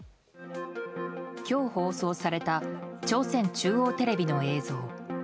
今日放送された朝鮮中央テレビの映像。